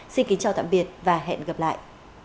xin kính chào tạm biệt và hẹn gặp lại